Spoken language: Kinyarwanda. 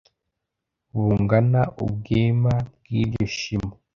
bungana ubwema bw'iryo shimo.